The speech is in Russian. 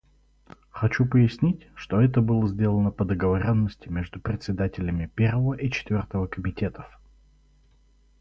Хочу пояснить, что это было сделано по договоренности между председателями Первого и Четвертого комитетов.